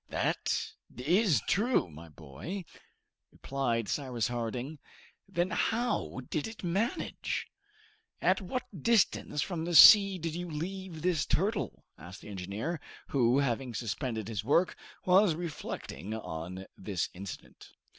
"That is true, my boy," replied Cyrus Harding. "Then how did it manage?" "At what distance from the sea did you leave this turtle?" asked the engineer, who, having suspended his work, was reflecting on this incident.